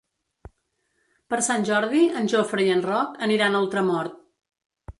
Per Sant Jordi en Jofre i en Roc aniran a Ultramort.